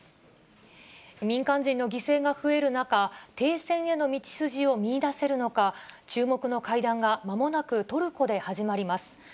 民間人の犠牲が増える中、停戦への道筋を見いだせるのか、注目の会談がまもなくトルコで始まります。